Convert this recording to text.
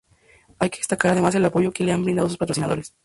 Hay que destacar además el apoyo que le han brindado sus patrocinadores.